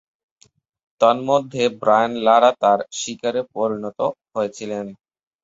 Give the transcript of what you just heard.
তন্মধ্যে, Brian Lara তার শিকারে পরিণত হয়েছিলেন।